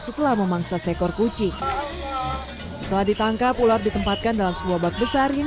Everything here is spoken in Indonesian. setelah memangsa sekor kucing setelah ditangkap ular ditempatkan dalam sebuah bak besar yang